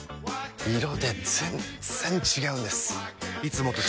色で全然違うんです！